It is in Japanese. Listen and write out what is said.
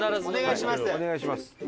お願いします。